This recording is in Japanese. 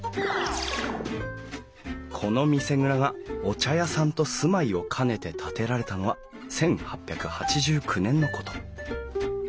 この見世蔵がお茶屋さんと住まいを兼ねて建てられたのは１８８９年のこと。